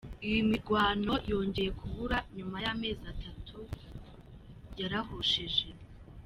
Iyi mirwano yongeye kubura nyuma y’amezi atatu yarahosheje.